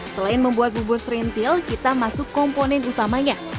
selain membuat bubur serintil kita masuk komponen utamanya